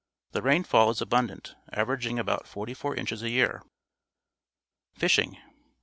The rainfall is abundant, averaging about forty four inches a year. Fishing.